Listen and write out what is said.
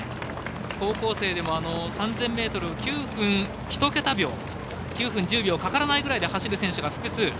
高校生でも３０００ｍを９分１桁秒９分１０秒かからないぐらいで走る選手が複数。